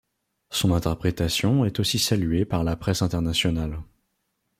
Son interprétation est aussi saluée par la presse internationale.